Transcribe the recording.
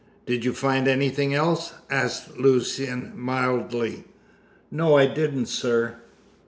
"Did you find anything else?" asked Lucian mildly. "No, I didn't, sir."